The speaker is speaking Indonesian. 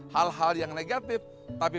hal hal yang negatif tapi